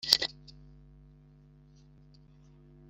Kuko nzibuka ibitangaza byawe bya kera